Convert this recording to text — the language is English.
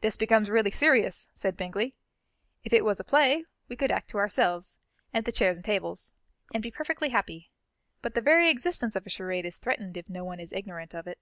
"This becomes really serious," said Bingley. "If it was a play, we could act to ourselves, and the chairs and tables, and be perfectly happy; but the very existence of a charade is threatened if no one is ignorant of it.